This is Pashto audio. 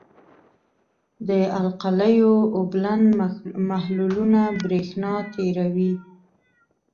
د القلیو اوبلن محلولونه برېښنا تیروي.